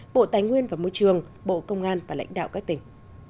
bộ tài nguyên và môi trường bộ công an và lãnh đạo các tỉnh